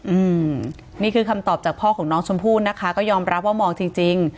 อืมนี่คือคำตอบจากพ่อของน้องชมพู่นะคะก็ยอมรับว่ามองจริงจริง